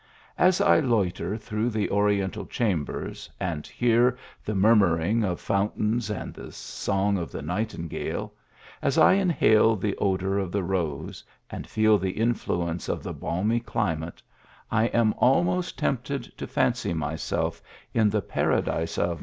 As I loiter through the oriental chambers, and hear the murmuring of fountains and the song of the nightingale : as 1 in hale the odour of the rose and feel the influence of the balmy climate, I am almost tempted to fancy myself in the Paradise of